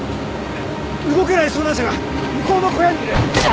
動けない遭難者が向こうの小屋にいる。